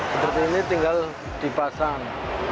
seperti ini tinggal dipasang